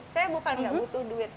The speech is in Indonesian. saya bukan nggak butuh duit